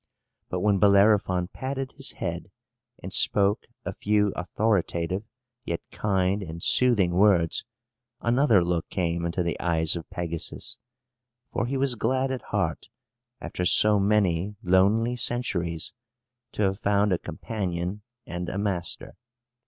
But when Bellerophon patted his head, and spoke a few authoritative yet kind and soothing words, another look came into the eyes of Pegasus; for he was glad at heart, after so many lonely centuries, to have found a companion and a master.